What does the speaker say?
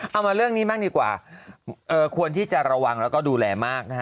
เอามาเรื่องนี้บ้างดีกว่าควรที่จะระวังแล้วก็ดูแลมากนะฮะ